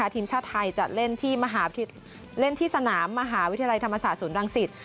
ทีมชาติไทยจะเล่นที่เล่นที่สนามมหาวิทยาลัยธรรมศาสตร์ศูนย์รังสิต